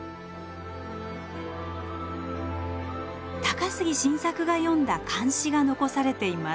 高杉晋作が詠んだ漢詩が残されています。